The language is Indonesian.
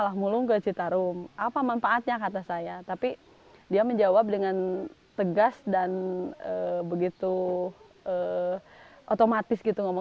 harus membantu tetangga kita